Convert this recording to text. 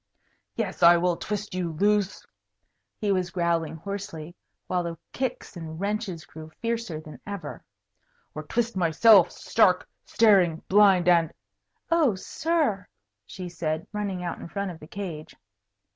"Yes, I will twist you loose," he was growling hoarsely, while the kicks and wrenches grew fiercer than ever, "or twist myself stark, staring blind and " "Oh, sir!" she said, running out in front of the cage.